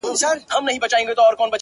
دا ستا ښكلا ته شعر ليكم ـ